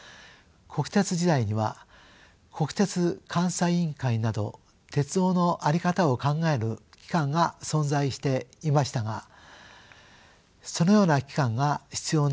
国鉄時代には国鉄監査委員会など鉄道の在り方を考える機関が存在していましたがそのような機関が必要なのかもしれません。